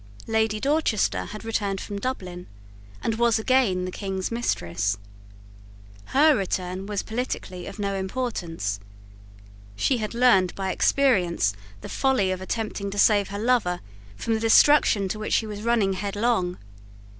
Lady Dorchester had returned from Dublin, and was again the King's mistress. Her return was politically of no importance. She had learned by experience the folly of attempting to save her lover from the destruction to which he was running headlong.